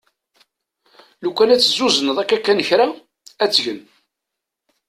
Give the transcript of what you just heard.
Lukan ad tt-tezzuzneḍ kan akka kra ad tgen.